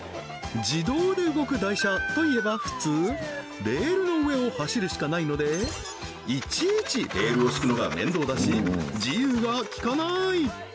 自動で動く台車といえば普通レールの上を走るしかないのでいちいちレールを敷くのが面倒だし自由がきかない！